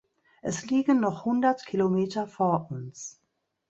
Es liegen noch hundert Kilometer vor uns.